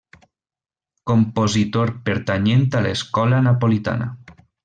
Compositor pertanyent a l'escola napolitana.